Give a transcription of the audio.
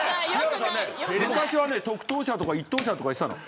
昔は特等車とか１等車とか言ってたの。